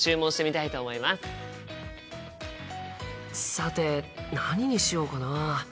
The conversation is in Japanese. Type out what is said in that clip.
さて何にしようかな？